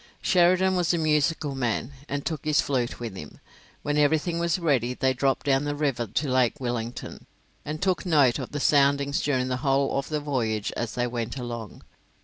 Sheridan was a musical man, and took his flute with him. When everything was ready they dropped down the river to Lake Wellington, and took note of the soundings during the whole of the voyage as they went along.